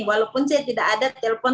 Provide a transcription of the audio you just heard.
walaupun saya tidak ada telepon